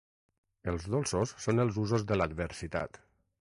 Els dolços són els usos de l'adversitat.